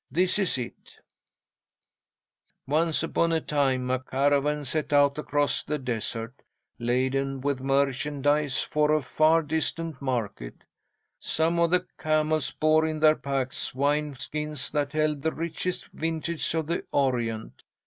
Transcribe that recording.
This is it: "'Once upon a time, a caravan set out across the desert, laden with merchandise for a far distant market. Some of the camels bore in their packs wine skins that held the richest vintage of the Orient.